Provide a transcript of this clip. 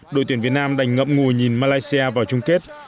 đội tuyển việt nam đành ngẫm ngùi nhìn malaysia vào chung kết